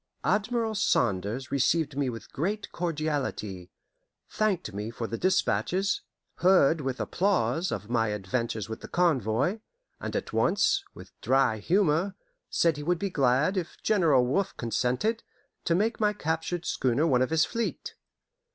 Admiral Saunders received me with great cordiality, thanked me for the dispatches, heard with applause of my adventures with the convoy, and at once, with dry humour, said he would be glad, if General Wolfe consented, to make my captured schooner one of his fleet.